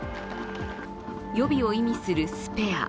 呼びを意味するスペア。